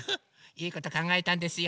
いいことかんがえたんですよ。